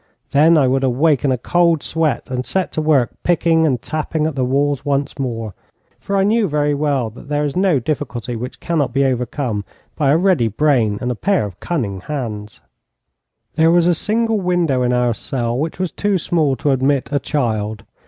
Then I would awake in a cold sweat, and set to work picking and tapping at the walls once more; for I knew very well that there is no difficulty which cannot be overcome by a ready brain and a pair of cunning hands. There was a single window in our cell, which was too small to admit a child.